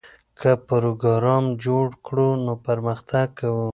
که پروګرام جوړ کړو نو پرمختګ کوو.